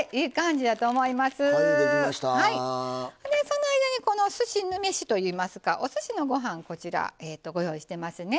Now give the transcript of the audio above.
その間にこのすし飯といいますかおすしのご飯こちらご用意してますね。